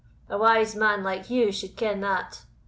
A wise man like you should ken that.